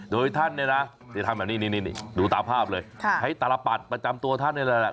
โดยท่านเนี่ยนะจะทำแบบนี้นี่ดูตามภาพเลยใช้ตลปัดประจำตัวท่านนี่แหละ